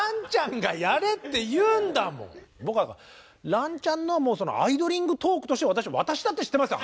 ランちゃんのアイドリングトークとして私だって知ってますよ。